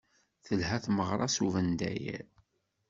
Telha tmeɣra s ubendayer.